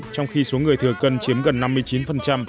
trong khi số người thừa cân chiếm gần năm mươi chín